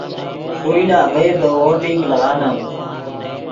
ݰوئے لا ڤئے دے ووٹنگ لیغانم